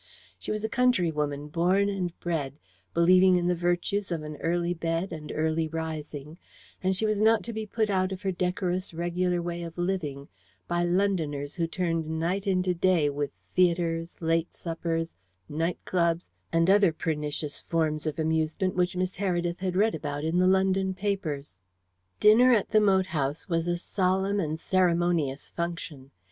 She was a country woman born and bred, believing in the virtues of an early bed and early rising, and she was not to be put out of her decorous regular way of living by Londoners who turned night into day with theatres, late suppers, night clubs, and other pernicious forms of amusement which Miss Heredith had read about in the London papers. Dinner at the moat house was a solemn and ceremonious function.